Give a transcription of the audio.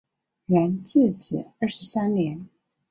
元至正二十三年。